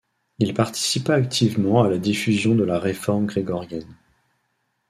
Il participa activement à la diffusion de la réforme grégorienne.